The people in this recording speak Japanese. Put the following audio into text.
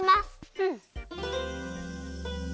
うん。